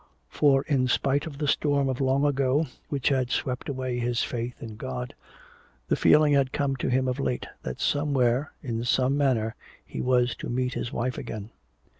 For in spite of the storm of long ago which had swept away his faith in God, the feeling had come to him of late that somewhere, in some manner, he was to meet his wife again.